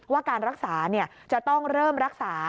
ว่าการรักษาจะต้องเริ่มรักษา